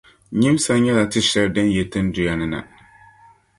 Nyimsa nyɛ la tia shɛli din yi tinduya ni na.